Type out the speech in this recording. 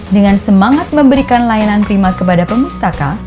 dengan semangat memberikan layanan prima kepada pemustaka